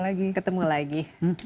lagi ketemu lagi